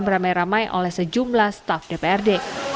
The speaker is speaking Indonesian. beramai ramai oleh sejumlah staf dprd